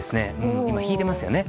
今、引いてますよね。